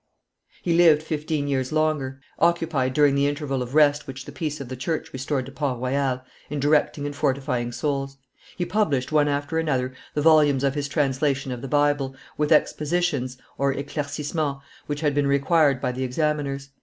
He lived fifteen years longer, occupied, during the interval of rest which the Peace of the Church restored to Port Royal, in directing and fortifying souls. He published, one after another, the volumes of his translation of the Bible, with expositions (eclaircissements) which had been required by the examiners.